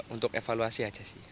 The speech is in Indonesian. untuk evaluasi aja sih